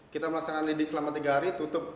kita melaksanakan lidik selama tiga hari tutup